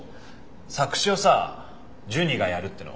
作詞をさジュニがやるっていうの。